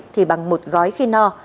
thì bằng một gói khi no